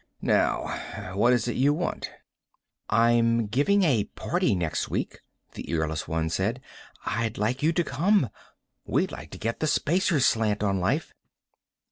"Now, what is it you want?" "I'm giving a party next week," the earless one said. "I'd like you to come. We'd like to get the Spacer slant on life."